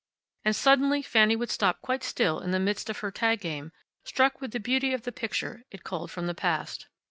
And suddenly Fanny would stop quite still in the midst of her tag game, struck with the beauty of the picture it called from the past.